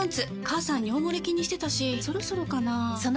母さん尿モレ気にしてたしそろそろかな菊池）